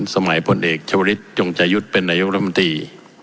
สมัยพลเอกชวริสต์จงจะยุดเป็นนายกรมนตรี